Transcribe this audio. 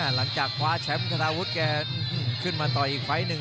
หลังจากคว้าแชมป์ธนาวุฒิแกขึ้นมาต่ออีกไฟล์หนึ่ง